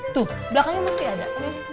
tuh belakangnya masih ada